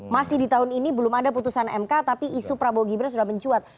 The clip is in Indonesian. masih di tahun ini belum ada putusan mk tapi isu prabowo gibran sudah mencuat